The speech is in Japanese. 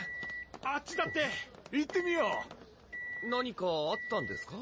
あっちだって行ってみよう何かあったんですか？